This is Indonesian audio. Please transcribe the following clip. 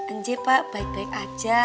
enji pak baik baik aja